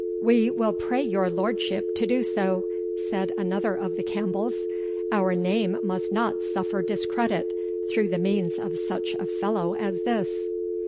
"We will pray your lordship to do so," said another of the Campbells; "our name must not suffer discredit through the means of such a fellow as this."